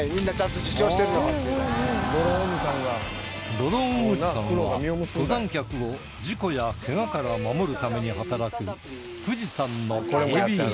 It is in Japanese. ドローンおじさんは登山客を事故やケガから守るために働く富士山の警備員